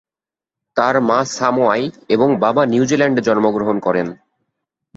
তার মা সামোয়ায় এবং বাবা নিউজিল্যান্ডে জন্মগ্রহণ করেন।